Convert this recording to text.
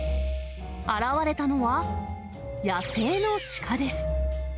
現れたのは、野生のシカです。